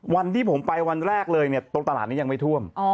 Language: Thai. วันที่ผมไปวันแรกเลยเนี่ยตรงตลาดนี้ยังไม่ท่วม